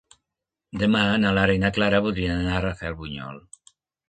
Demà na Lara i na Clara voldrien anar a Rafelbunyol.